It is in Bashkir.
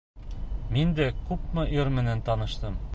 Мин дә күпме ир менән таныштым.